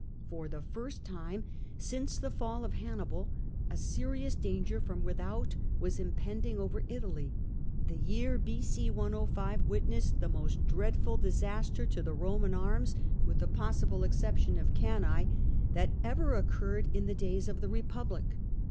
For the first time since the fall of Hannibal a serious danger from without was impending over Italy. The year B.c. 105 witnessed the most dread ful disaster to the Roman arms, with the possible excep tion of Cannse, that ever occurred in the days of the Republic.